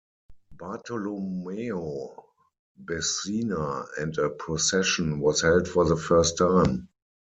Bartolomeo Bezzina and a procession was held for the first time.